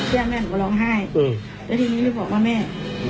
แม่หนูก็ร้องไห้แล้วทีนี้เลยบอกว่าแม่